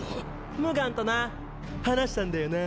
ムガンとな話したんだよな。